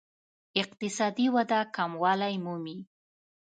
اقتصادي وده کموالی مومي.